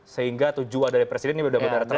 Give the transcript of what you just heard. sehingga tujuan dari presiden ini benar benar terjadi